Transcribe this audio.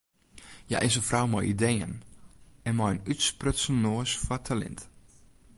Hja is in frou mei ideeën en mei in útsprutsen noas foar talint.